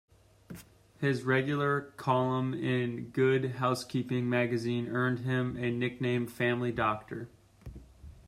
His regular column in "Good Housekeeping" magazine earned him the nickname "Family Doctor".